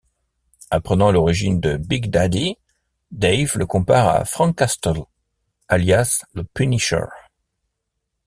Apprenant l'origine de Big Daddy, Dave le compare à Frank Castle, alias le Punisher.